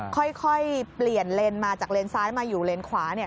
ค่อยเปลี่ยนเลนมาจากเลนซ้ายมาอยู่เลนขวาเนี่ย